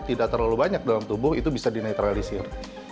tidak terlalu banyak dalam tubuh itu bisa dinetralisir